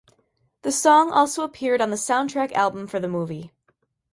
The song also appeared on the soundtrack album for the movie.